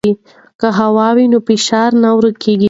که هوا وي نو فشار نه ورکېږي.